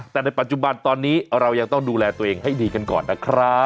แต่ในปัจจุบันตอนนี้เรายังต้องดูแลตัวเองให้ดีกันก่อนนะครับ